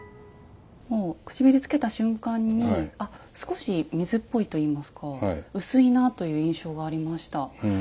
もう唇つけた瞬間にあ少し水っぽいといいますか薄いなという印象がありました。